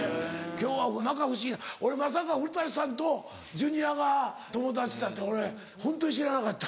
今日は摩訶不思議な俺まさか古さんとジュニアが友達だって俺ホントに知らなかった。